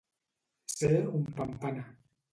Ser un pampana.